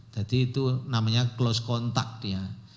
jadi itu namanya close kontak ya